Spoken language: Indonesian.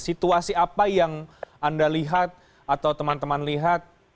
situasi apa yang anda lihat atau teman teman lihat